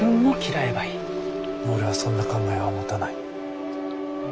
俺はそんな考えは持たない。